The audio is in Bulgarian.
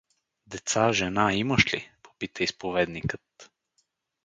— Деца, жена имаш ли? — попита изповедникът.